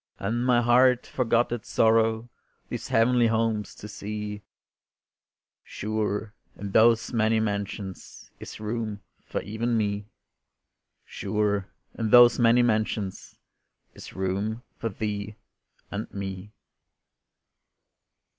And my heart forgot its sorrow These heavenly homes to see Sure in those many mansions Is room for even me, Sure in those many mansions, Is room for thee and me.